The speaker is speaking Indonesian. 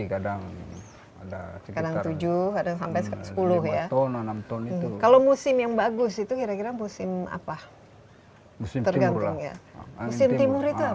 kadang kadang tujuh sepuluh ya kalau musim yang bagus itu kira kira musim apa musim musim timur itu